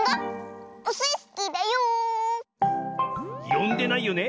よんでないよね。